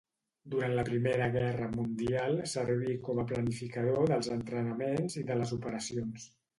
Durant la Primera Guerra Mundial serví com a planificador dels entrenaments i de les operacions.